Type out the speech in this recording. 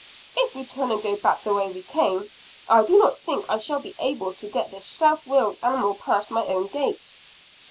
"If we turn and go back the way we came, I do not think I shall be able to get this self willed animal past my own gate."